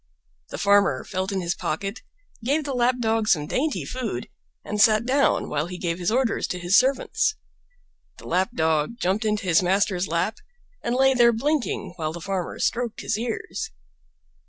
The Farmer felt in his pocket, gave the Lap dog some dainty food, and sat down while he gave his orders to his servants. The Lap dog jumped into his master's lap, and lay there blinking while the Farmer stroked his ears.